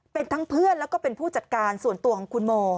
เป็นทั้งเพื่อนแล้วก็เป็นผู้จัดการส่วนตัวของคุณโม